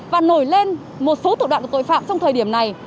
và nổi lên một số thủ đoạn của tội phạm trong thời điểm này